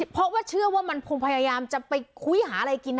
เพราะว่าเชื่อว่ามันคงพยายามจะไปคุยหาอะไรกิน